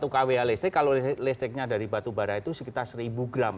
satu kwh listrik kalau listriknya dari batubara itu sekitar seribu gram